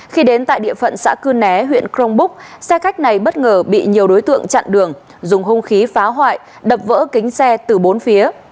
khi đến tại địa phận xã cư né huyện crong búc xe khách này bất ngờ bị nhiều đối tượng chặn đường dùng hung khí phá hoại đập vỡ kính xe từ bốn phía